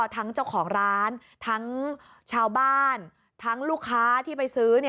ทั้งเจ้าของร้านทั้งชาวบ้านทั้งลูกค้าที่ไปซื้อ